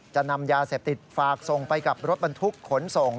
จะนำยาเสพติดฝากส่งไปกับรถบรรทุกขนส่ง